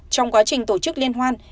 trong quá trình tổ chức liên hoàn